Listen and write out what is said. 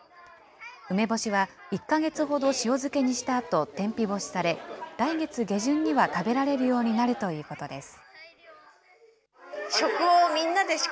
梅干しは１か月ほど塩漬けにしたあと、天日干しされ、来月下旬には食べられるようになるということです。